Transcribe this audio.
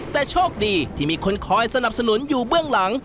แต่โชคดีที่มีคนคอยสนับสนุนอยู่เบื้องหลัง